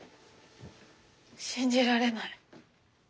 信じられない。